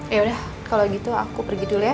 ya udah kalau gitu aku pergi dulu ya